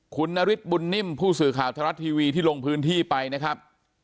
คุณนฤทธิบุญนิ่มผู้สื่อข่าวทรัฐทีวีที่ลงพื้นที่ไปนะครับ